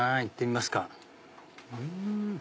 行ってみますか。